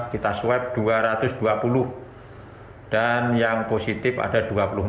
kita swab dua ratus dua puluh dan yang positif ada dua puluh empat